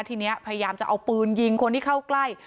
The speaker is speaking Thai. ทีนี้พยายามจะเอาปืนยิงคนที่เข้าใกล้